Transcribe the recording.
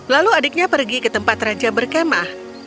lalu adiknya pergi ke tempat raja berkemah